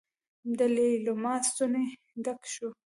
د ليلما ستونی ډک شو.